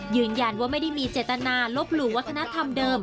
ยืนยันว่าไม่ได้มีเจตนาลบหลู่วัฒนธรรมเดิม